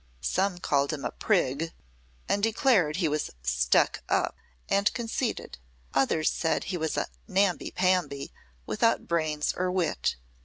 Some called him a "prig" and declared that he was "stuck up" and conceited. Others said he was a "namby pamby" without brains or wit.